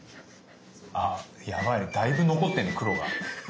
あヤバいね。だいぶ残ってんね黒が。